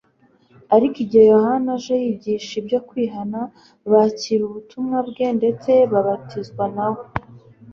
Ariko igihe Yohana aje, yigisha ibyo kwihana, bakira ubutumwa bwe ndetse babatizwa na we.